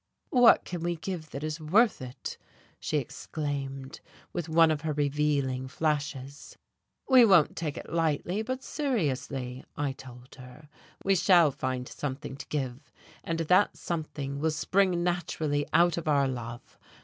"What can we give that is worth it?" she exclaimed, with one of her revealing flashes. "We won't take it lightly, but seriously," I told her. "We shall find something to give, and that something will spring naturally out of our love.